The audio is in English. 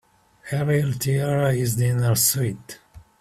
Harry'll tear his dinner suit.